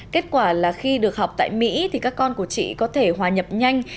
kết quả là khi được học tại mỹ thì các con của chị có thể hòa nhập nhanh